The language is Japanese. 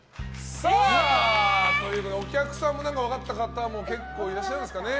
お客さんも分かった方も結構いらっしゃるんですかね。